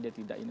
dia tidak ini